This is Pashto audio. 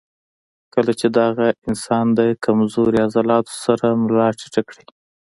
کله چې دغه انسان د کمزوري عضلاتو سره ملا ټېټه کړي